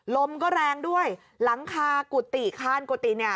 ลมก็แรงด้วยหลังคากุฏิคานกุฏิเนี่ย